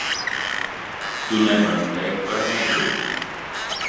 Tu nevari teikt vai negribi?